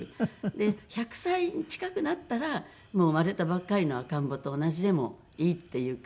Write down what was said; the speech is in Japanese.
で１００歳近くなったらもう生まれたばっかりの赤ん坊と同じでもいいっていうか。